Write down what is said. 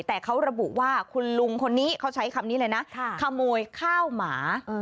แต่เขาระบุว่าคุณลุงคนนี้เขาใช้คำนี้เลยนะขโมยข้าวหมา